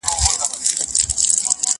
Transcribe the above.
نو پیاده څنګه روان پر دغه لار دی